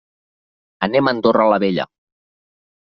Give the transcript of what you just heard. Anem a Andorra la Vella.